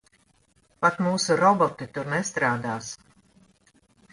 Pat mūsu roboti tur nestrādās.